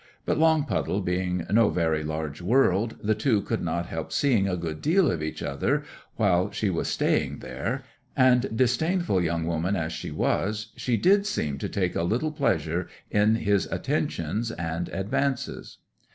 But Longpuddle being no very large world, the two could not help seeing a good deal of each other while she was staying there, and, disdainful young woman as she was, she did seem to take a little pleasure in his attentions and advances.